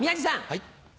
はい。